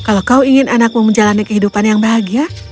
kalau kau ingin anakmu menjalani kehidupan yang bahagia